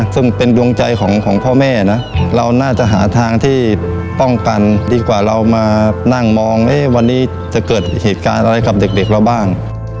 ซึ่งเป็นดวงใจของพ่อแม่นะเราน่าจะหาทางที่ป้องกันดีกว่าเรามานั่งมองวันนี้จะเกิดเหตุการณ์อะไรกับเด็กเราบ้าง